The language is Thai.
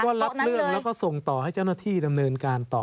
รับเรื่องแล้วก็ส่งต่อให้เจ้าหน้าที่ดำเนินการต่อ